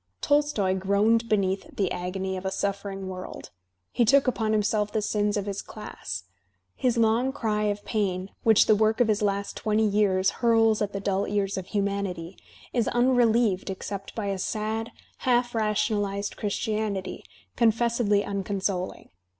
Tolstoy groaned beneath the agony of a suffering world; he took upon himself the sins of his class. BDs long cry of pain, which the work of his last twenty years hurls at the dull ears of hiunanity, is unrelieved except by a sad, half rationalized Christianity, confessedly uncon soling.